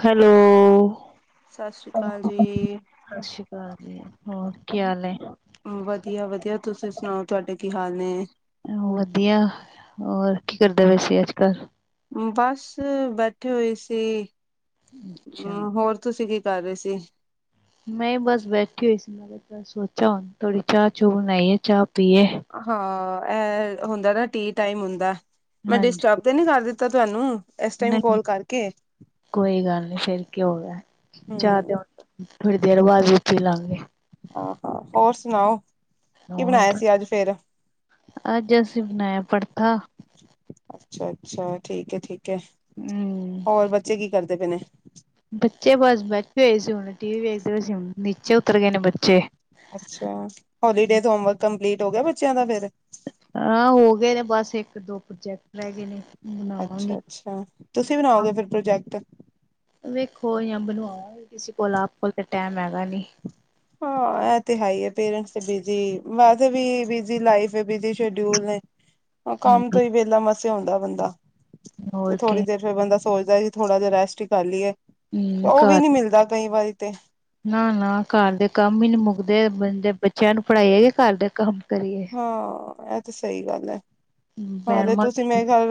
Hello ਸਤਿ ਸ੍ਰੀ ਅਕਾਲ ਜੀ ਸਤਿ ਸ਼੍ਰੀ ਅਕਾਲ ਹੋਰ ਕੀ ਹਾਲ ਹੈ ਵਧੀਆ- ਵਧੀਆ ਤੁਸੀਂ ਸੁਣਾਓ ਤੁਹਾਡੇ ਕੀ, ਹਾਲ ਨੇ ਵਧੀਆ ਹੋਰ ਕੀ ਕਰਦਾ ਵੈਸੇ ਅੱਜ -ਕੱਲ ਬਸ ਬੈਠੇ ਹੋਏ ਸੀ ਅੱਛਾ। ਹੋਰ ਤੁਸੀਂ ਕੀ ਕਰ ਰਹੇ ਸੀ? ਮੈਂ ਬਸ ਬੈਠੀ ਹੋਈ ਸੀ ਬਾਰੇ ਸੋਚਾ ਹੁ, ਥੋੜੀ ਚਾਹ ਚੂ, ਬਣਾਈਏ ਚਾਹ ਪੀਏ ਹਾਂ ਇਹ ਹੁੰਦਾ ਨਾ, ਟੀ ਟਾਈਮ ਹੁੰਦਾ ਮੈਂ, ਡਿਸਟਰਬ ਹਾਂਜੀ। ਤੇ ਨੀ ਕਰ ਦਿੱਤਾ ਤੁਹਾਨੂੰ ਇਸ ਟਾਈਮ ਨਹੀਂ ਕਾਲ ਕਰਕੇ ਕੋਈ ਗੱਲ ਨੀ ਫਿਰ ਕਿ ਹੋ ਗਿਆ ਜਾ ਹਮ ਤੇ ਹੁ ਣ ਥੋੜੀ ਦੇਰ ਬਾਅਦ ਵੀ, ਪੀ ਲਾਂਗੇ ਆਹ ਹੋ, ਹੋਰ ਸੁਣਾਓ? ਕੀ ਬਣਾਇਆ ਹੋਰ ਸੀ ਅੱਜ ਫੇਰ ਅੱਜ ਅਸੀਂ ਬਣਾਇਆ ਪਰਥਾ। ਅੱਛਾ -ਅੱਛਾ ਠੀਕ, ਹੈ ਠੀਕ, ਹੈ ਹੂੰ। ਹੋਰ ਬੱਚੇ ਕੀ ਕਰਦੇ ਪਏ ਨੇ ਬੱਚੇ ਬਸ ਬੈਠ ਹੋਏ ਸੀ! ਹੁਣ ਟੀ, ਵੀ ਵੇਖਦੇ ਸੀ। ਨੀਚੇ ਉਤਰ ਗਏ ਨੇ ਬੱਚੇ ਅੱਛਾ ਹੋਲੀਡੇ, ਹੋਮਵਰਕ ਕੰਪਲੀਟ ਹੋ ਗਿਆ ਬੱਚਿਆਂ ਦਾ ਫਿਰ ਹਾਂ ਹੋ ਗਏ! ਨੇ ਬਸ ਇੱਕ ਦੋ ਪ੍ਰੋਜੈਕਟ ਰਹਿ ਗਏ ਨੇ ਅੱਛਾ- ਬਣਾਵਾਂਗੇ। ਅੱਛਾ ਤੁਸੀਂ ਬਣਾਓਗੇ ਫਿਰ ਪ੍ਰੋਜੈਕਟ ਵੇਖੋ ਜਾਂ, ਬਣਵਾਓ ਵੀ ਕਿਸੇ ਕੋਲ ਆਪ ਕੋਲ ਤਾਂ ਟਾਈਮ ਹੈਗਾ ਨੀ! ਹਾਂ ਇਹ ਤੇ ਹੈ, ਹੀ ਆ! ਪੇਰੈਂਟਸ ਤੇ ਬਿਜੀ, ਵੀ ਬਿਜ਼ੀ ਲਾਈਫ ਬਿਜੀ ਸ਼ਡਿਊਲ ਨੇ ਕੰਮ ਹਾਂਜੀ। ਤੋਂ, ਹੀ ਵਿਹਲਾ ਮਸੇ ਆਉਂਦਾ ਬੰਦਾ ਹੋਰ ਤੇ ਕੇ ਥੋੜ੍ਹੀ ਦੇਰ ਫੇਰ ਬੰਦਾ ਸੋਚਦਾ ਥੋੜਾ ਜਿਹਾ ਰੈਸਟ ਹੀ! ਕਰ ਲਈਏ ਤੇ ਹੂੰ ਉਹ ਵੀ ਘਰ ਨੀ, ਮਿਲਦਾ ਕਈ ਵਾਰੀ ਤੇ ਨਾ -ਨਾ ਘਰ ਦੇ ਕੰਮ ਹੀ, ਨੀ ਮੁੱਕਦੇ ਬੰਦੇ ਬੱਚਿਆਂ ਨੂੰ ਪੜ੍ਹਾਈ ਹੈਗੇ ਘਰ ਦੇ ਕੰਮ ਕਰੀਏ। ਹਾਂ ਇਹ ਤੇ ਸਹੀ ਗੱਲ ਹੈ! ਹਾਂ ਤੇ ਮੈਡਮਾਂ ਤੁਸੀਂ ਮੈਂ ਗੱਲ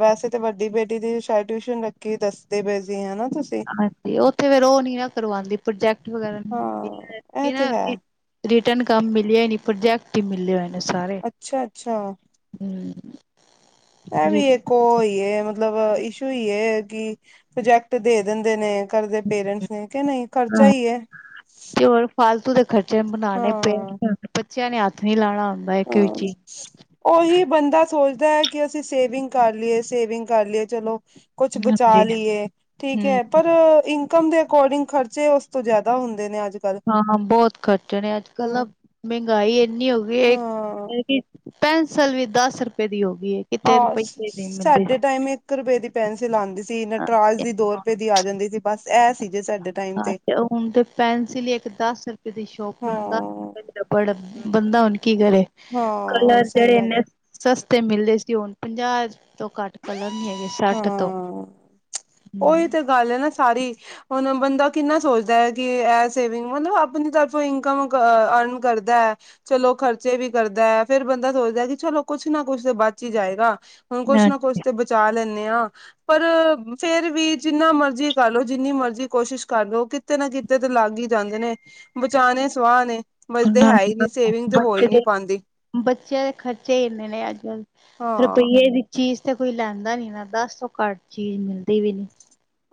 ਵੈਸੇ ਤੇ ਵੱਡੀ ਬੇਟੀ ਦੀ ਸ਼ਾਇਦ ਟਿਊਸ਼ਨ ਰੱਖੀ ਦੱਸਦੇ ਪਏ ਸੀ ਹਨਾ ਤੁਸੀਂ ਹਾਂਜੀ ਉੱਥੇ ਫਿਰ ਉਹ ਨੀ, ਨਾ ਕਰਵਾਉਂਦੀ ਪ੍ਰੋਜੈਕਟ ਵਗੈਰਾ ਨ ਹਾਂ ਇਹ ਤੇ ਹੈ ਰਿਟਰਨ ਕੰਮ ਮਿਲਿਆ ਨਾ ਪਰਜੈਕਟ ਹੀ ਮਿਲਿਆ। ਅੱਛਾ -ਅੱਛਾ ਐ ਵੀ ਹੂੰ। ਕੋ ਈਏ ਮਤਲਬ ਇਸ਼ੂ ਹੀ, ਕਿ ਪ੍ਰੋਜੈਕਟ ਦੇ, ਦਿੰਦੇ ਨੇ ਕਰਦੇ ਪੇਰੈਂਟਸ ਨੇ, ਕਹਿੰਦੇ ਨਹੀਂ ਖਰਚਾ ਹੀ ਹੈ। ਤੇ ਹੋਰ ਫਾਲਤੂ ਦੇ ਖਰਚੇ, ਬਨਾਉਣੇ ਹਾਂ। [unintelligible] ਬੱਚਿਆਂ ਨੇ ਹੱਥ ਨੀ ਲਾਣਾ ਹੁੰਦਾ ਇੱਕ ਵਿੱਚ ਈ। ਓਹੀ ਬੰਦਾ ਸੋਚਦਾ ਕਿ ਅਸੀਂ ਸੇਵਿੰਗ ਕਰ ਲਈਏ, ਸੇਵਿੰਗ ਕਰ ਲਈਏ, ਚਲੋ। ਕੁਛ ਹਾਂਜੀ। ਬਚਾ ਲਈਏ, ਠੀਕ ਹੂੰ ਹੈ? ਪਰ ਕਮ ਦੇ ਅਕੋਡਿੰਗ, ਖਰਚੇ ਓਸ ਤੋਂ ਜ਼ਿਆਦਾ ਹੁੰਦੇ ਨੇ, ਅੱਜ ਕੱਲ੍ਹ ਹਾਂ, ਬਹੁਤ ਖਰਚੇ ਨੇ ਅੱਜ ਕੱਲ ਨਾ ਹੂੰ। ਮਹਿੰਗਾਈ ਐਨੀ ਹੋ ਗਈ ਏ, ਹਾਂ। ਕਿ ਪੈੰਸਲ ਵੀ, ਦਸ ਰਪਏ ਦੀ ਹੋ ਗਈ ਏ। ਕਿਤੇ ਹਾਂ, ਰੁਪਈਏ ਦੀ ਮਿਲਦੀ ਸਾਡੇ ਸੀ। ਟਾਈਮ ਇੱਕ ਰਪਏ ਦੀ ਪੈਨਸਿਲ ਆਂਦੀ ਸੀ, ਨਟਰਾਜ ਦੀ ਦੋ ਰੁਪਏ ਦੀ ਆ ਜਾਂਦੀ ਸੀ। ਬਸ ਇਹ ਸੀ ਜੇ ਸਾਡੇ ਟਾਈਮ ਹਾਂ, ਤੇ ਹੁਣ ਤੇ ਪੈਨਸਿਲ ਇੱਕ ਦਸ ਰੁਪਏ ਦੀ, ਹਾਂ ਸ਼ੋਪਨਰ ਦਸ ਬੜਾ, ਬੰਦਾ ਹੁਣ ਕੀ ਕਰੇ, ਹਾਂ ਕਲਰ ਸਹੀ ਜੇੜੇ ਗੱਲ ਹੈ ਇਨੇ ਸਸਤੇ ਮਿਲੇ ਸੀ, ਹੁਣ ਪਨਜਾ ਤੋਂ ਘੱਟ ਕਲਰ ਨੀ ਹੈਗੇ। ਸੱਠ ਤੋਂ ਹਾਂ, ਓਈ ਹੂੰ ਤੇ ਗੱਲ ਐ ਨਾ, ਸਾਰੀ। ਹੁਨ ਬੰਦਾ ਕਿੰਨਾ ਸੋਚਦਾ ਕਿ ਐ ਸੇਵਿੰਗ ਮਤਲਬ, ਆਪਨੀ ਤਰਫੋਂ ਇਨਕਮ ਅ ਅਰਨ ਕਰਦਾ। ਚਲੋ, ਖਰਚੇ ਵੀ ਕਰਦਾ, ਫੇਰ ਬੰਦਾ ਸੋਚਦਾ ਕਿ ਚਲੋ ਕੁਛ ਨਾ ਕੁਛ ਤੇ ਬਚ ਈ ਜਾਏਗਾ। ਹੁਣ ਕੁਛ ਨਾ ਕੁਛ ਹਾਂਜੀ ਤੇ ਬਚਾ ਲੈਂਨੇ ਆਂ। ਪਰ, ਫੇਰ ਵੀ ਜਿੰਨਾ ਮਰਜ਼ੀ ਕਰ ਲਓ, ਜਿੰਨੀ ਮਰਜੀ ਕੋਸ਼ਿਸ਼ ਕਰ ਲੋ ਕਿ ਕਿਤੇ ਨਾ ਕਿਤੇ, ਤੇ ਲੱਗ ਈ ਜਾਂਦੇ ਨੇ। ਬਚਾਣੇ ਸੁਆ ਨੇ, ਬਚਦੇ ਹੈ ਈ ਨੀ ਸੇਵਿੰਗ ਤੇ ਹੋ ਈ ਨੀ ਦੇ ਪਾਂਦੀ। ਬੱਚੇ ਖਰਚੇ ਇੰਨੇ ਨੇ, ਅੱਜ ਕੱਲ ਹਾਂ ਰਪਈਏ ਦੀ ਚੀਜ਼ ਤੇ ਕੋਈ ਲੈਂਦਾ ਨੀ ਨਾ, ਦਸ ਤੋਂ ਘੱਟ ਚੀਜ ਮਿਲਦੀ ਵੀ ਨੀਂ।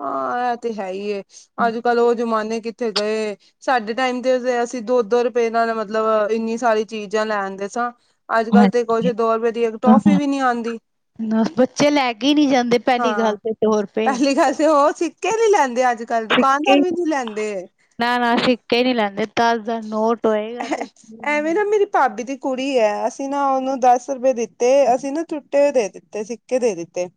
ਹਾਂ, ਐ ਤੇ ਹੈ ਈ ਏ, ਅੱਜ- ਕੱਲ ਓ ਜਮਾਨੇ ਕਿੱਥੇ ਗਏ? ਸਾਡੇ ਟਾਈਮ ਤੇ, ਅਸੀਂ ਦੋ -ਦੋ ਰਪਏ ਨਾਲ ਮਤਲਬ ਇੰਨੀ ਸਾਰੀ ਚੀਜਾਂ ਲੈ ਆਂਦੇ ਸਾਂ। ਅੱਜ- ਕੱਲ ਤੇ ਕੁਛ, ਹਾਂਜੀ ਦੋ ਰੁਪਏ ਦੀ ਇੱਕ ਟੋਫੀ ਵੀ ਹਾਂ ਨੀ ਆਂਦੀ। ਬੱਚੇ, ਲੈ ਕੇ ਈ ਨੀ ਜਾਂਦੇ, ਪੈਲੀ ਹਾਂ ਗੱਲ ਤੇ ਦੋ ਰਪਏ। ਪਹਿਲੀ ਗੱਲ ਤੇ, ਓ ਸਿੱਕੇ ਨੀ ਲੈਂਦੇ ਅੱਜ- ਕੱਲ, ਦੁਕਾਨਦਾਰ ਸਿੱਕੇ ਵੀ ਨੀ ਲੈਂਦੇ। ਫੇਰ ਨੀ ਲੈਂਦੇ, ਤਾਜਾ ਨੋਟ ਹੋਏਗਾ ਤੇ ਐਵੇਂ ਨਾ ਮੇਰੀ ਭਾਬੀ ਦੀ ਕੁੜੀ ਐ, ਅਸੀਂ ਨਾ ਉਨੂੰ ਦਸ ਰੁਪਏ ਦਿੱਤੇ ਅਸੀਂ ਨਾ ਟੁੱਟੇ ਦੇ ਦਿੱਤੇ, ਸਿੱਕੇ ਦੇ ਦਿੱਤੇ।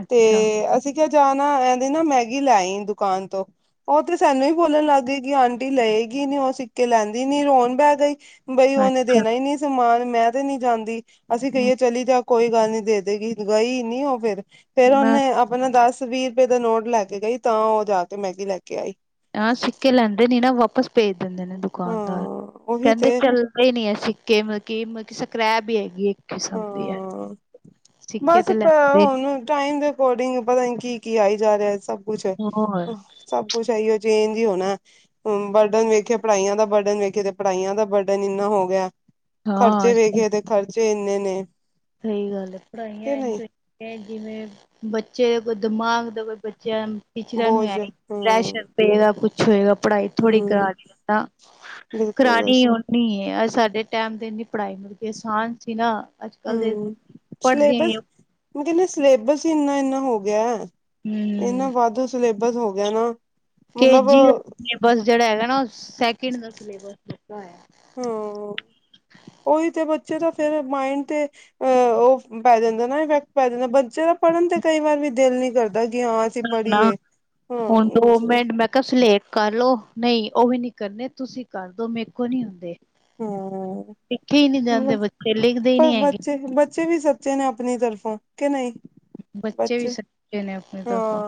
ਅੱਛਾ ਤੇ, ਅਸੀਂ ਕਿਹਾ, ਜਾ ਨਾ ਏਦੀ ਨਾ ਮੈਗੀ ਲੈ ਆਂਈ ਦੁਕਾਨ ਤੋਂ। ਓ ਤੇ ਸਾਨੂੰ ਈ ਬੋਲਣ ਲੱਗ ਗਈ ਕਿ, ਆਂਟੀ ਲਏਗੀ ਨੀ ਓ ਸਿ ਕੇ, ਲੈਂਦੀ ਨੀ ਰੋਣ ਬੈ ਗਈ ਬਈ ਓਨੇ ਅੱਛਾ ਦੇਣਾ ਈ ਨੀ ਸਮਾਨ, ਮੈਂ ਤੇ ਨੀ ਜਾਂਦੀ। ਅਸੀਂ ਹਮ ਕਈਏ ਚਲੀ ਜਾ ਕੋਈ ਗੱਲ ਨੀ, ਦੇ ਦੇ ਗੀ ਗਈ ਨੀ ਓ ਫੇਰ, ਫੇਰ ਮੈਂ ਉਨੇ। ਹਨ ਦਸ- ਵੀ ਰੁਪਏ ਦਾ ਨੋਟ ਲੈ ਕੇ ਗਈ, ਤਾਂ ਓ ਜਾ ਕੇ ਮੈਗੀ ਲੈ ਕੇ ਆਈ। ਹਾਂ, ਸਿੱਕੇ ਲੈਂਦੇ ਨੀ ਨਾ, ਵਾਪਸ ਭੇਜ ਦਿੰਦੇ ਨੇ ਦੁਕਾਨਦਾਰ, ਹਾਂ ਉਹੀ ਕਹਿੰਦੇ, ਤੇ ਚੱਲ। ਪਏ ਨੇ ਹੈ ਸਿੱਕੇ ਮਤਲਬ ਕਿ ਮਤਲਬ ਕੀ ਸਕ੍ਰੈਪ ਹੀ ਹੈਗੀ ਹੈ। ਕਿਸਮ ਦੀ ਹਾਂ, ਸਿੱਕੇ ਬਸ ਤੇ ਲੈਂਦੇ ਹੁਣ ਟਾਈਮ ਦੇ। ਅਕੋਡਿੰਗ, ਪਤਾ ਨੀ ਕੀ ਆਈ ਜਾ ਰਿਆ? ਸਊ ਕੁਛ। ਹੋਰ ਸਬ ਕੁਛ ਏਈਓ ਚੇੰਜ ਈ ਹੋਣਾ। ਹਮ, ਬਰਡਨ ਵੇਖੇ, ਪੜ੍ਹਾਈਆਂ ਦਾ ਬਰਡਨ ਵੇਖੇ ਤੇ ਪੜ੍ਹਾਈਆਂ ਦਾ ਬਰਡਨ ਇੰਨਾ ਹੋ ਗਿਆ। ਹਾਂ ਖਰਚੇ ਵੇਖੇ, ਤੇ ਖਰਚੇ ਇੰਨੇ ਨੇ। ਸਈ ਗੱਲ ਐ ਕਿ ਪੜ੍ਹਾਈਆਂ ਨਹੀਂ ਇੰਝ ੰ ਜਿਵੇਂ ਬੱਚੇ, ਕੋਈ ਦਿਮਾਗ ਦਵੇ ਕੋਈ ਬੱਚੇਆਂ। ਟੀਚਰਾਂ ਨੂੰ ਐ ਬੋਝ ਪ੍ਰੈਸ਼ਰ ਹਮ ਪਏਗਾ, ਕੁਛ ਹੋਏਗਾ, ਪੜ੍ਹਾਈ ਥੋੜ੍ਹੀ ਹਮ ਕਰਾ ਦੀਦਾ। ਬਿਲਕੁਲ। ਨੀ, ਬਸ ਹੁਣ ਨੀ, ਸਾਡੇ ਟਾਈਮ ਤੇ ਇੰਨੀ ਪੜ੍ਹਾਈ ਮਿਲ ਕੇ ਆਸਾਨ ਸੀ ਨਾ ਅ। ਹਮ, ਸਿਲੇਬਸ ਜਿੰਨੇ ਸਿਲੇਬਸ ਹੀ ਇੰਨਾ- ਇੰਨਾ ਹੋ ਗਿਆ। ਹਮ। ਏਨਾ ਵੱਧ ਸਿਲੇਬਸ ਹੋ ਗਿਆ ਨਾ। ਮਤਲਬ ਕੇਜੀ ਦਾਸਿਲੇਬਸ ਜਿਹੜਾ ਹੈਗਾ ਹਨਾ ਸੈਕਿੰਡ ਦਾ ਸਿਲੇਬਸ ਹੈਗਾ ਆ। ਹਾਂ ਉਹੀ ਤੇ ਬੱਚੇ ਤਾਂ ਫੇਰ ਮਾਇਡ ਤੇ, ਅਹ ਉਹ ਪੈ ਜਾਂਦਾ ਨਾ, ਇਫੈਕਟ ਪੈ ਜਾਂਦਾ, ਬੱਚੇ ਦਾ ਪੜ੍ਹਨ ਤੇ ਕਈ ਵਾਰ ਵੀ ਦਿਲ ਨੀ ਕਰਦਾ ਕਿ ਹਾਂ, ਅਸੀਂ ਨਾ ਪੜ੍ਹੀਏ ਹੁਣ ਤ ਹਾਂ ਮਿੰਟ ਮੈਂ, ਤਸੀ ਲੇਟ ਕਰ ਲਓ, ਨਹੀਂ ਉਹ ਵੀ ਨੀ ਕਰਨੇ, ਤੁਸੀਂ ਕਰਦੋ ਮੇਕੋ ਨੀ ਹੁੰਦੇ। ਹਾਂ ਤਿੱਖੇ ਹੀ ਨਹੀਂ ਜਾਂਦੇ ਬੱਚੇ ਲਿਖਦੇ ਪਰ ਨੀ ਹੈਗੇ। ਬੱਚੇ ਬੱਚੇ ਵੀ ਸੱਚੇ ਨੇ, ਆਪਣੀ ਤਰਫੋਂ ਕਿ ਨਹੀਂ। ਬੱਚੇ ਵੀ ਸੱਚੇ ਨੇ ਆਪਣੀ ਤਰਫੋਂ,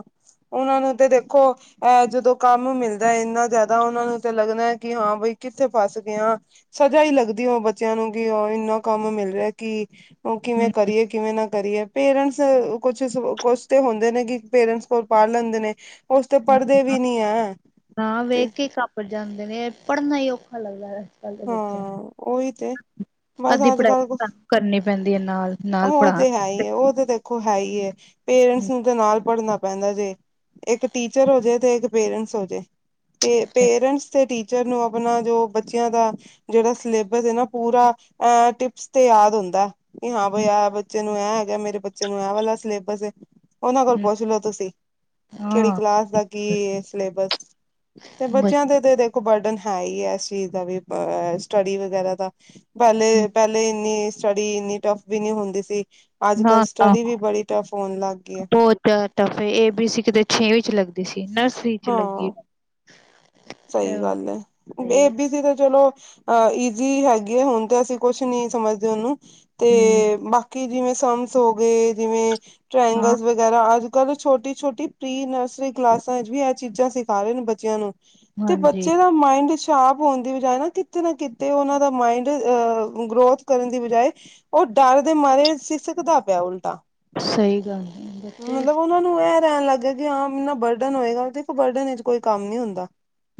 ਓਨਾਂ ਨੂੰ ਤੇ ਦੇਖੋ, ਐ ਜਦੋਂ ਕੰਮ ਮਿਲਦਾ ਏਨਾ ਜਾਦਾ, ਓਨਾਂ ਨੂੰ ਤੇ ਲੱਗਣਾ ਐਂ, ਕੀ ਹਾਂ ਬਈ ਕਿੱਥੇ ਫਸਗੇ ਆਂ, ਸਜ਼ਾ ਈ ਲੱਗਦੀ, ਓ ਬੱਚਿਆਂ ਨੂੰ ਕੀ ਓ, ਇੰਨਾ ਕੰਮ ਮਿਲ ਰਿਆ ਕੀ, ਕਿਵੇਂ ਹੂੰ, ਕਰੀਏ, ਕਿਵੇਂ ਨਾ ਕਰੀਏ, ਪੇਰੈਂਟਸ ਕੁਛ ਖੁਸ਼ ਤੇ ਹੁੰਦੇ ਨੇ, ਕੀ ਪੇਰੈਂਟਸ ਕੋ ਪੜ੍ਹ ਲੈਂਦੇ ਨੇ ਕੁਛ ਤੇ ਪੜ੍ਹਦੇ ਵੀ ਨੀ ਐ।, ਤੇ ਪਰ ਜਾਂਦੇ ਨੇ ਪੜ੍ਹਨਾ ਈ ਔਖਾ ਲੱਗਦਾ ਐ, ਹਾਂ ਓਈ ਤੇ, ਬਸ ਅੱਧੀ ਅੱਜ ਪੜ੍ਹਾਈ -ਕੱਲ ਕੁਛ ਸਾਨੂੰ ਕਰਨੀ ਪੈਂਦੀ ਹੈ ਨਾਲ ਨਾਲ ਓ ਪੜ੍ਹਾ ਹਾਂ ਤੇ ਹੈ ਈ, ਏ। ਓ ਤੇ -ਤੇ, ਓ ਹੈ ਈ ਏ, ਪੇਰੈਂਟਸ ਨੂੰ ਤੇ ਨਾਲ ਪੜ੍ਹਨਾ, ਪੈਂਦਾ ਜੇ, ਇੱਕ ਟੀਚਰ ਹੋਜੇ ਤੇ, ਇੱਕ ਪੇਰੈਂਟਸ ਹੋਜੇ, ਤੇ ਪੇਰੈਂਟਸ ਤੇ ਟੀਚਰ, ਜਦ ਨੂੰ ਆਪਣਾ ਜੋ ਬੱਚੇ- ਇਹਨਾ ਦਾ ਜੇੜਾ ਸਲੇਬਸ‌ ਏ ਨਾ, ਪੂਰਾ ਐ, ਟਿਪਸ ਤੇ ਯਾਦ ਹੁੰਦਾ। ਕਿ ਹਾਂ ਬਈ ਆ, ਬੱਚੇ ਨੂੰ ਐ ਹੈਗਾ, ਮੇਰੇ ਬੱਚੇ ਨੂੰ ਐ ਵਲਾ ਸਲੇਬਸ ਏ। ਓਨਾਂ ਕੋਲ ਪੁੱਛ ਲੋੋ, ਤੁਸੀਂ ਕੇੜੀ ਕਲਾਸ ਦਾ ਕੀ ਏ, ਸਲੇਬਸ, ਤੇ ਬੱਚਿਆਂ ਦੇ ਤੇ ਦੇਖੋ ਬਰਡਨ ਹੈ ਈ ਐ, ਏਸ ਚੀਜ਼ ਦਾ ਵੀ ਅ ਸਟੱਡੀ ਵਗੈਰਾ ਦਾ, ਪੈਲੇ ਨਾ -ਪੈਲੇ ਇੰਨੀ ਸਟੱਡੀ ਏਨੀ ਟਫ ਵੀ ਨੀ ਹੁੰਦੀ ਸੀ। ਅੱਜ ਕੱਲ ਸਟੱਡੀ ਵੀ ਬੜੀ ਟਫ ਹੋਣ ਲੱਗ ਗਈ ਏ, ਦਾ tough A, A B C ਕਿਤੇ ਛੇਵੀ' ਚ ਲੱਗਦੀ ਸੀ, ਨਰਸਰੀ' ਚ ਲੱਗੀ, ਸ‌ਈ ਹਮ ਗੱਲ ਐ, ਏ ਬੀ ਸੀ ਤੇ ਚਲੋ, ਅ ਈਜ਼ੀ ਹੈਗੀ ਏ, ਹੁਣ ਤੇ ਅਸੀਂ ਕੁਛ ਨੀ ਸਮਝਦੇ ਓਨੂੰ ਤੇ ਬਾਕੀ ਕਿ ਜਿਵੇਂ ਸਮਸ ਹੋ ਗਏ ਜਿਵੇਂ ਹਾਂ ਟ੍ਰਇਂਗਲ ਵਗੈਰਾ, ਅੱਜ ਅੱਜਕੱਲ੍ਹ ਛੋਟੀ-ਛੋਟੀ ਪ੍ਰੀ ਨਰਸਰੀ ਕਲਾਸਾਂ ਵਿਚ ਵੀ ਐ, ਚੀਜ਼ਾਂ ਸਿਖਾ ਰਹੇ ਨੇ ਬੱਚਿਆਂ ਨੂੰ। ਤੇ ਹਾਂਜੀ ਬੱਚੇ ਦਾ ਮਾਇੰਡ'ਚ- ਟਾਪ ਹੋਣ ਦੀ ਬਜਾਏ ਨਾ, ਕਿਤੇ ਨਾ ਕਿਤੇ ਓਨਾਂ ਦਾ ਮਾਇੰਡ ਅ, ਗਰੋਥ ਕਰਨ ਦੀ ਬਜਾਏ- ਓ ਡਰ ਦੇ ਮਾਰੇ ਸਿਸੱਕਦਾ ਪਿਆ ਉਲਟਾ, ਸ‌ਈ ਗੱਲ ਐ, ਬੱਚੇ- ਓਨਾਂ ਨੂੰ ਐ ਰਹਿਣ ਲੱਗ ਗਿਆ ਆ, ਏਨਾ ਬਰਡਨ ਹੋਏਗਾ, ਦੇਖੋ ਬਰਡਨ ਵਿਚ ਕੋਈ ਕੰਮ ਨੀ ਹੁੰਦਾ।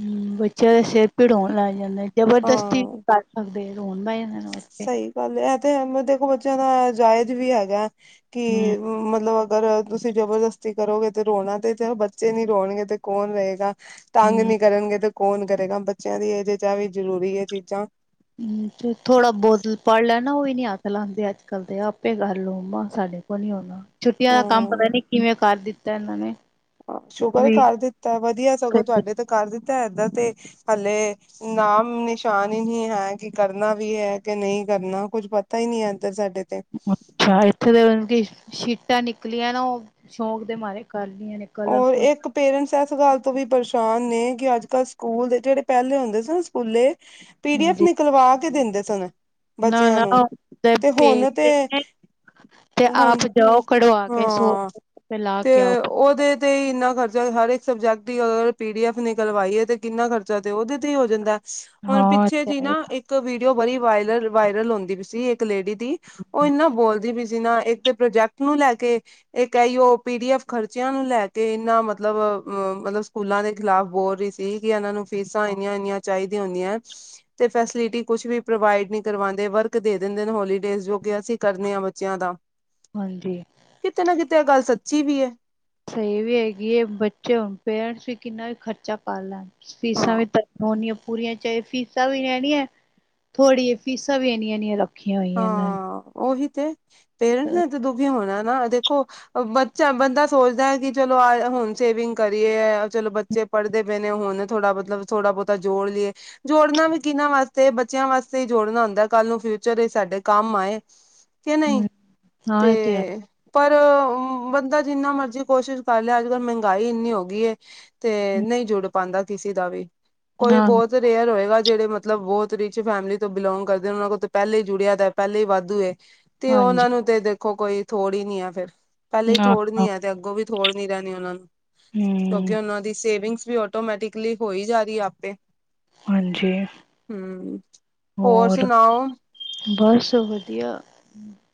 ਹੂੰ ਬੱਚਿਆਂ ਦਾ ਸਿਰ ਪੀੜ ਹੋਣ ਲੱਗ ਜਾਂਦਾ ਜਬਰਦਸਤੀ ਕੀ ਹਾਂ ਕਰ, ਹਕਦੇ ਰੋਣ ਬੈ ਜਾਂਦੇ ਨੇ ਓਥੇ, ਸਹੀ ਗੱਲ ਐ ਤੇ ਹੈ ਪਰ ਦੇਖੋ ਬੱਚਿਆਂ ਦਾ ਅਜਾਇਜ਼ ਵੀ ਹੈਗਾ ਹੂੰ ਕੀ ਮਤਲਬ, ਅਗਰ ਤੁਸੀਂ ਜਬਰਦਸਤੀ ਕਰੋਗੇ, ਤੇ ਰੋਣਾ ਤੇ ਤੇ ਬੱਚੇ ਨੀ ਰੋਣਗੇ ਤੇ ਕੌਣ ਰੋਏਗਾ, ਤੰਗ ਨੀ ਕਰਨਗੇ ਤੇ ਕੌਣ ਕਰੇਗਾ ਬੱਚਿਆਂ ਦੀ ਏਜ ', ਚ ਐ, ਵੀ ਜ਼ਰੂਰੀ ਏ ਚੀਜ਼ਾਂ, ਹੂੰ ਤੇ ਥੋੜਾ ਬੋਤ ਪੜ੍ਹ ਲੈ ਨਾ ਓਵੀ ਨੀ ਹੱਥ ਲਾਂਦੇ ਅੱਜ -ਕੱਲ੍ਹ ਤੇ ਆਪੇ ਕਰ ਲਓ ਅਮਾ।, ਸਾਡੇ- ਸਾਡੇ ਕੋ ਨੀ ਹੋਣਾ, ਛੁੱਟੀਆਂ ਦਾ ਕੰਮ ਹਮ ਪਤਾ ਨੀ ਕਿਵੇਂ ਕਰ ਦਿੱਤਾ ਏਨਾਂ ਨੇ, ਸ਼ੁਕਰ‌ ਏ ਵੀ ਕਰ ਦਿੱਤਾ, ਵਧੀਆ ਸਗੋਂ ਤੁਆਡੇ ਤੇ ਕਰ ਦਿੱਤਾ ਏਧਰ ਤੇ ਹਲੇੇ- ਨਾਮ ਨਿਸ਼ਾਨ ਈ ਨੀ ਹੈ ਕਿ ਕਰਨਾ ਵੀ ਐ ਕਿ ਨਈ ਕਰਨਾ, ਕੁੱਝ ਪਤਾ ਈ ਨੀ ਐ ਏਧਰ ਸਾਡੇ। ਤੇ ਅੱਛਾ ਏਥੇ ਤੇ ਮਤਬ ਕੀ ਸ਼ੀਟਾਂ ਨਿਕਲੀਆਂ ਨਾ ਓ ਸ਼ੌਂਕ ਦੇ ਮਾਰੇ ਕਰਲੀਆਂ ਨੇ। ਔਰ ਕਲਰਫੁਲ ਇੱਕ, ਪੇਰੈਂਟਸ ਏਸ ਗੱਲ ਤੋਂ ਵੀ ਪਰੇਸ਼ਾਨ ਨੇ ਕਿ ਅੱਜ ਕੱਲ ਸਕੂਲ ਦੇ ਜੇੜੇ ਪੈਲੇ ਹੁੰਦੇ ਸੀ ਨੇ ਸਕੂਲੇ। ਪੀ ਡੀ ਐਫ ਹਾਂਜੀ ਨਿਕਲਵਾ ਕੇ ਦਿੰਦੇ ਸਨ ਨਾ ਬੱਚਿਆਂ ਨਾ ਨੂੰ। ਤੇ ਹੁਣ ਭੇਜਦੇ ਤੇ- ਨੇ ਤੇ ਹੁਣ ਆਪ ਜਾਓ ਕਢਵਾ ਕੇ ਸੌ ਹਾਂ ਰੁਪਏ ਲਾ ਤੇ ਕੇ ਆਓ ਓ- ਓਦੇ ਤੇ ਹੀ ਇੰਨਾ ਖਰਚਾ ਹਰ ਇੱਕ ਸਬਜੈਕਟ ਦੀ ਅਗਰ ਪੀ ਡੀ ਐਫ ਨਿਕਲਵਾਈ ਏ ਤੇ ਕਿੰਨਾ ਖਰਚਾ ਤੇ ਓਦੇ ਤੇ ਈ ਹੋ ਜਾਂਦਾ ਐ। ਹੁਣ ਹਾਂ ਪਿੱਛੇ ਜੀ ਨਾ ਇੱਕ ਵੀਡੀਓ ਬੜੀ ਵਾਇਲਲ ਵਾਇਰਲ ਹੁੰਦੀ ਪੀ ਸੀ। ਇੱਕ ਲੇਡੀ- ਡੀ ਓ ਏਨਾ ਬੋਲਦੀ ਪੀ ਸੀ ਨਾ ਇੱਕ ਤੇ ਪ੍ਰੋਜੈਕਟ ਨੂੰ ਲੈ ਕੇ, ਇੱਕ ਐ ਈ ਓ ਪੀ ਡੀ ਐਫ ਖਰਚ- ਬੱਚਿਆਂ ਨੂੰ ਲੈ ਕੇ ਏਨਾ ਮਤਲਬ ਅ ਮਲਬ ਸਕੂਲਾਂ ਦੇ ਖਿਲਾਫ਼ ਬੋਲ ਰੀ ਸੀ ਕੀ ਏਨਾਂ ਨੂੰ ਫੀਸਾਂ ਏਨੀਆਂ -ਏਨੀਆਂ- ਚਾਈਦੀਆਂ ਹੁੰਦੀਆਂ। ਤੇ ਫੈਸਿਲਿਟੀ ਕੁਛ ਵੀ ਪ੍ਰੋਵਾਈਡ ਨੀ ਕਰਵਾਂਦੇ। ਵਰਕ ਦੇ ਦਿੰਦੇ ਹੋਲੀਡੇਜ਼ ਜੋ ਕਿ ਅਸੀਂ ਕਰਨੇ ਆ ਬੱਚਿਆਂ ਦਾ। ਹਾਂਜੀ। ਕਿਤੇ ਨਾ ਕਿਤੇ ਇਹ ਗੱਲ ਸੱਚੀ ਵੀ ਹੈ। ਸਹੀ ਵੀ ਹੈਗੀ ਹੈ ਬੱਚੇ ਹੋੁਣ ਪੇਰੈਂਟਸ ਵੀ ਕਿੰਨਾ ਖਰਚਾ ਪਾ ਲੈਣ, ਹਾਂ ਫੀਸਾਂ ਵੀ- ਹੋਣੀਆਂ ਪੂਰੀਆਂ ਚਹੀ ਫੀਸਾਂ ਵੀ ਐਣੀਆਂ ਥੋੜੀਆਂ ਫੀਸਾਂ ਵੀ ਇੰਨੀਆਂ -ਇੰਨੀਆ ਰ- ਹਾਂ ਉਹੀ ਤੇ, ਪੇਰੈਂਟਸ ਨੇ ਤੇ ਦੁਖੀ ਹੋਣਾ ਨਾ ਦੇਖੋ। ਬੱਚਾ ਬੰਦਾ ਸੋਚਦਾ ਹੈ ਕਿ ਚਲੋ ਆ ਹੋਮ ਸੇਵਿੰਗ ਕਰੀਏ ਚਲੋ ਬੱਚੇ ਪੜਦੇ ਪਏ ਨੇੁ, ਹੂਣੇ ਥੋੜਾ ਮਤਲਬ ਥੋੜਾ ਬਹੁਤਾ ਜੋੜ ਲਈਏ। ਜੋੜਨਾ ਵੀ ਕਿਹਨਾਂ ਵਾਸਤੇ ਬੱਚਿਆਂ ਵਾਸਤੇ ਹੀ ਜੋੜਨਾ ਹੁੰਦਾ ਕੱਲ ਨੂੰ ਫੇ- ਚਾਰੇ ਸਾਡੇ ਕੰਮ ਆਏ, ਕਿ ਨਹੀਂ ਹੂੰ ਹਾਂ ਇਹ ਹੈ ਤੇ ਪਰ ਬੰਦਾ ਜਿੰਨਾ ਮਰਜ਼ੀ ਕੋਸ਼ਿਸ਼ ਕਰ ਲੇ ਅੱਜ ਕੱਲ ਮਹਿੰਗਾਈ ਇੰਨੀ ਹੋ ਗਈ ਹੈ। ਤੇ ਨਹੀਂ ਜੁੜ ਪਾਉਂਦਾ ਕਿਸੇ ਦਾ ਵੀ, ਕੋਈ ਹਾਂ ਬਹੁਤ ਰੇਅਰ ਹੋਏਗਾ ਜਿਹੜੇ ਮਤਲਬ ਬਹੁਤ ਰਿਚ ਫੈਮਿਲੀ ਤੋਂ ਬਿਲੋਂਗ ਕਰਦੇ ਨੇ, ਉਹਨਾਂ ਕੋ- ਪਹਿਲੇ ਹੀ ਜੁੜਿਆ ਤਾਂ ਪਹਿਲੇ ਹੀ ਵਾਧੂ ਐ, ਤੇ ਹਾਂਜੀ ਉਹਨਾਂ ਨੂੰ ਤੇ ਦੇਖੋ ਕੋਈ ਥੋੜ ਹੀ ਨੀ ਆ ਫੇਰ। ਪਹਿਲੇਾਂ ਹੀ ਹਾਂ ਥੋੜ ਨੀ ਹਾਂ ਆ, ਤੇ ਅੱਗੋਂ ਵੀ ਥੋੜ ਨੀ ਰਹਿਣੀ ਉਹਨਾਂ ਨੂੰ, ਕਿਉਂਕਿ ਹੂੰ ਉਹਨਾਂ ਦੀ ਸੇਵਿੰਗਸ ਵੀ ਆਟੋਮੈਟਿਕਲੀ ਹੋ ਹੀ ਜਾ ਰਹੀ ਆਪੇ। ਹਾਂਜੀ ਹੂੰ ਹੋਰ ਸੁਣਾਓ? ਬਸ ਵਧੀਆ।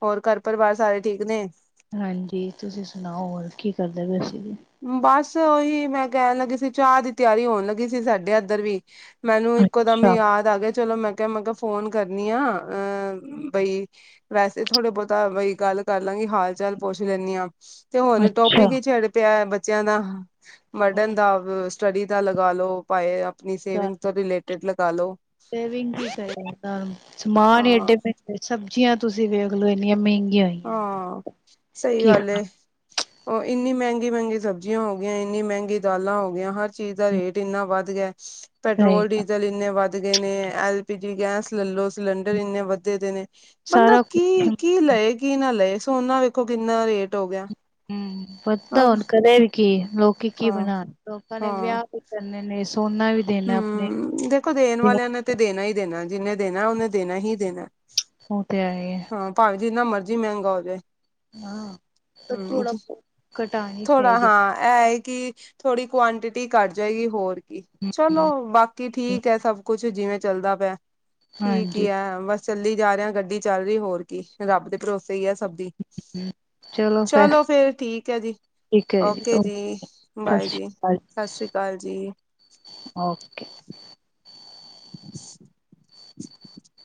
ਹੋਰ ਘਰ ਪਰਿਵਾਰ ਸਾਰੇ ਠੀਕ ਨੇ? ਹਾਂਜੀ ਤੁਸੀਂ ਸੁਣਾਓ ਹੋਰ ਕੀ ਕਰਦੇ ਪਏ ਸੀਂ। ਬਸ ਉਹੀ ਮੈਂ ਕਹਿਣ ਲੱਗੀ ਸੀ ਚਾਹ ਦੀ ਤਿਆਰੀ ਹੋਣ ਲੱਗੀ ਸੀ ਸਾਡੇ ਇੱਧਰ ਵੀ। ਮੈਨੂੰ ਇੱਕੋ ਦਮ ਅੱਛਾ ਯਾਦ ਆ ਗੇਆ ਚਲੋ ਮੈਂ ਕਿਹਾ, ਮੈਂ ਕਿਹਾ ਫੋਨ ਕਰਨੀ ਆ ਅਹ ਬਈ। ਵੈਸੇ ਥੋੜੇ ਬਹੁਤਾ ਬਈ ਗੱਲ ਕਰ ਲਾਂਗੀ, ਹਾਲ- ਚਾਲ ਪੁੱਛ ਲੈਂਦੀ ਹਾਂ ਤੇ ਹੁਣ ਟੋਪਿਕ ਅੱਛਾ ਹੀ ਛਿੜ ਪਿਆ ਬੱਚਿਆਂ ਦਾ, ਬੜਨ ਦਾ, ਸਟੱਡੀ ਦਾ ਲਗਾ ਲੋ। ਭਾਵੇਂ ਆਪਣੀ ਸੇਵਿੰਗ ਤੋਂ ਰਿਲੇਟਿਡ ਲਗਾ ਲੋ ੇਵਿੰਗ ਕਰ ਸਮਾਨ ਹੀ ਹਾਂ ਡੇ ਮ [unintelligible] ਤੇ ਸਬਜ਼ੀਆਂ ਤੁਸੀਂ ਵੇਖਲੋ ਇੰਨੀਆਂ ਮਹਿੰਗੀਆਂ ਈ। ਹਾਂ ਸਹੀ ਗੱਲ ਏ। ਉਹ ਇੰਨੀ ਮਹਿੰਗੀ- ਮਹਿੰਗੀ ਸਬਜ਼ੀਆਂ ਹੋ ਗਈਆਂ, ਇੰਨੀ ਮਹਿੰਗੀ ਦਾਲਾਂ ਹੋ ਗਈਆਂ ਹਰ ਚੀਜ਼ ਦਾ ਰੇਟ ਇੰਨਾ ਵੱਧ ਗਿਆ, ਪੈਟਰੋਲ ਰਹੇਗਾ ਡੀਜ਼ਲ ਇੰਨੇ ਵੱਧ ਵੱਧ ਗਏ ਨੇ, ਐਲ ਪੀ ਜੀ ਗੈਸ ਲੈਲੋ ਸਿਲੰਡਰ ਇੰਨੇ ਵੱਧੇ ਦੇ ਨੇ। ਬੰਦਾ ਸਾਰਾ ਕੁਛ ਕੀ- ਕੀ ਲਏ ਕੀ ਨਾ ਲਏ ਸੋਨਾ ਵੇਖੋ ਕਿੰਨਾ ਰੇਟ ਹੋ ਗਿਆ। ਹੂੰ ਬੰਦਾ ਅਬ ਹੁਣ ਕਦੇ ਵੀ ਕੀ ਲੋਕੀ ਕੀ ਬਣਾ ਲੋਕਾਂ ਨੇ ਹਾਂ-ਹਾਂ। ਵਿਆਹ। ਜਾਂਦੇ ਨੇ ਸੋਨਾ ਵੀ ਦੇਣਾ ਆਪਣੇ ਹੂੰ, ਦੇਖੋ ਦੇਣ ਵਾਲਿਆਂ ਨੇ ਤੇ ਦੇਣਾ ਹੀ ਦੇਣਾ ਜਿੰਨੇ ਦੇਣਾ ਉਹਨੇ ਦੇਣਾ ਹੀ ਦੇਣਾ। ਉਹ ਤੇ ਹੈਈ ਐ। ਹਾਂ ਭਾਵੇਂ ਜਿੰਨਾ ਮਰਜੀ ਮਹਿੰਗਾ ਹੋਜੇ। ਹਾਂ ਪਰ ਥੋੜਾ ਕਟਾਣੀ ਚਾਹੀਦੀ। ਐ ਏ ਕਿ ਥੋੜੀ ਕੁਆਂਟਿਟੀ ਘੱਟ ਜਾਏਗੀ ਹੋਰ ਕੀ ਚਲੋ ਬਾਕੀ ਠੀਕ ਐ ਸਭ ਕੁਛ ਜਿਵੇਂ ਚੱਲਦਾ ਪਿਆ ਠੀਕ ਈ ਹਾਂਜੀ ਐ ਬਸ ਚੱਲੀ ਜਾ ਰਿਹਾ ਗੱਡੀ ਚੱਲ ਰਹੀ ਹੋਰ ਕੀ ਰੱਬ ਦੇ ਭਰੋਸੇ ਈ ਐ ਸਭ ਦੀ। [inaudible] ਫਿਰ ਚਲੋ ਫੇਰ ਠੀਕ ਐ ਜੀ। ਓਕੇ ਜੀ ਬਾਏ ਸਤਿ ਸ਼੍ਰੀ ਜੀ ਅਕਾਲ ਸਤਿ ਸ਼੍ਰੀ ਅਕਾਲ ਜੀ। ਓਕੇ। [inaudible]